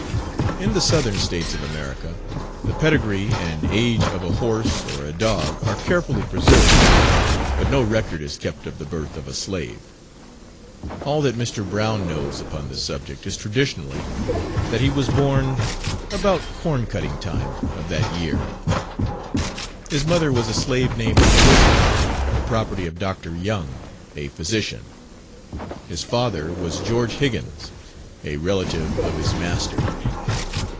In the Southern States of America, the pedigree and age of a horse or a dog are carefully preserved, but no record is kept of the birth of a slave. All that Mr. Brown knows upon the subject is traditionally, that he was born "about corn cutting time" of that year. His mother was a slave named Elizabeth, the property of Dr. Young, a physician. His father was George Higgins, a relative of his master.